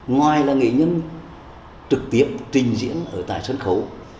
ngoài là nghệ nhân trực tiếp trình diễn ở tại sân khấu